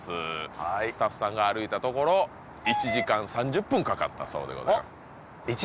はいスタッフさんが歩いたところ１時間３０分かかったそうでございます